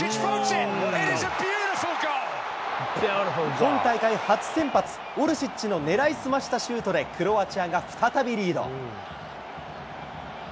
今大会初先発、オルシッチの狙いすましたシュートでクロアチアが再びリード。